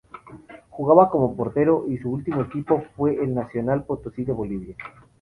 Jugaba como portero y su último equipo fue el Nacional Potosí de Bolivia.